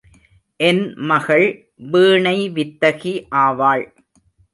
என் மகள் வீணை வித்தகி ஆவாள்.